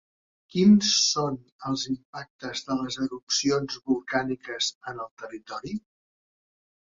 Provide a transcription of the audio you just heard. Quins són els impactes de les erupcions volcàniques en el territori?